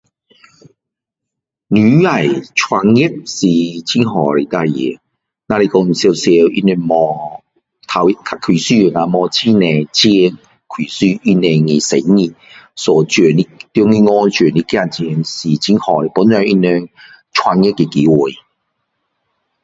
女人呢创业是很好的事情只是说常常他们没有刚开始的时候没有很多钱开始他们的生意跟银行借一点钱是很好的帮助她们创业的机会